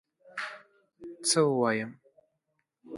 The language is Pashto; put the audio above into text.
څه ووایم؟!